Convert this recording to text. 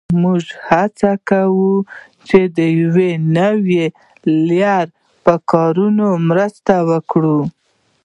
موږ هڅه کړې چې د یوې نوې لارې په کارونه مرسته وکړو